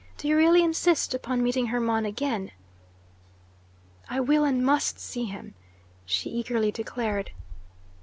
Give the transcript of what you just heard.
Do you really insist upon meeting Hermon again? "I will and must see him," she eagerly declared.